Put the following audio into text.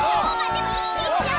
でもいいでしょう！